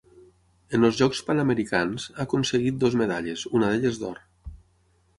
En els Jocs Panamericans ha aconseguit dues medalles, una d'elles d'or.